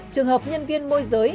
trường hợp nhân viên môi giới